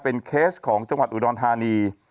เป็นเคสของจังหวัดอุดรธานี